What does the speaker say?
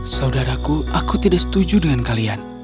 saudaraku aku tidak setuju dengan kalian